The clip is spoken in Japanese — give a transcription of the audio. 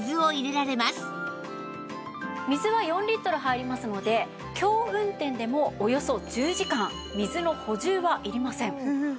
水は４リットル入りますので強運転でもおよそ１０時間水の補充はいりません。